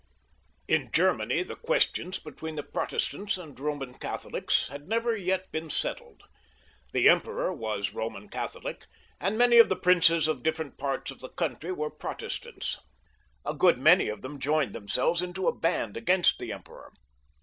In Gtermany the questions between the Protestants and Boman Catholics had never yet been settled ; the Emperor was Eoman Catholic, and many of the princes of different parts of the country Protestant. A good many of them joined themselves into a band against the Emperor.